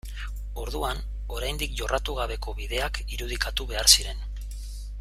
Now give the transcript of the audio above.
Orduan, oraindik jorratu gabeko bideak irudikatu behar ziren.